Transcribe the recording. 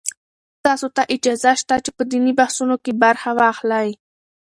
تاسو ته اجازه شته چې په دیني بحثونو کې برخه واخلئ.